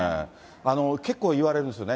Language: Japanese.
結構言われるんですよね。